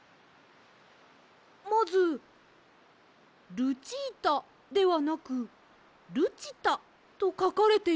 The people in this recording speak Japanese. まず「ルチータ」ではなく「るちた」とかかれているんです。